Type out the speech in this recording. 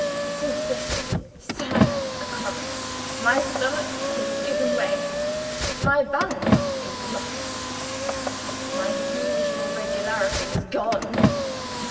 Since this sad occurrence, my stomach has given way. My balance is lost my usual regularity is gone.